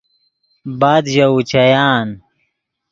بعد ژے اوچیان